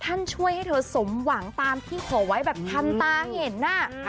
ช่วยให้เธอสมหวังตามที่ขอไว้แบบทันตาเห็นน่ะ